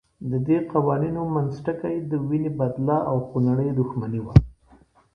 ددې قوانینو منځ ټکی د وینې بدله او خونړۍ دښمني وه.